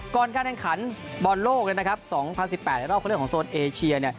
ก่อนการแรงขันบอลโลก๒๐๑๘รอบคำเลือกของโซนเอเชีย